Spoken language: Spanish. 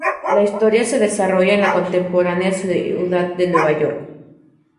La historia se desarrolla en la contemporánea Ciudad de Nueva York.